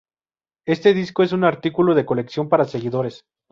Este disco es un artículo de colección para seguidores.